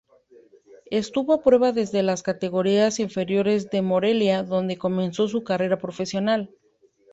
Estuvo a prueba desde las categorías inferiores de Morelia donde comenzó su carrera profesional.